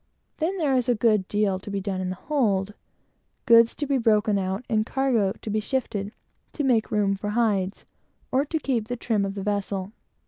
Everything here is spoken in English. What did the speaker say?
Then there is always a good deal to be done in the hold: goods to be broken out; and cargo to be shifted, to make room for hides, or to keep the trim of the vessel.